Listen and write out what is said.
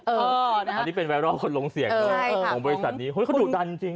อันนี้เป็นไวรัลคนลงเสียงด้วยของบริษัทนี้เขาดุดันจริง